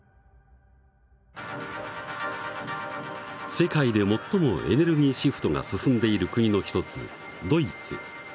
世界で最もエネルギーシフトが進んでいる国の一つドイツ。